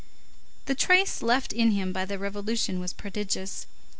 The trace left in him by the Revolution was prodigious.